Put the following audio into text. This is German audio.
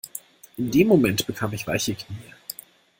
In dem Moment bekam ich weiche Knie.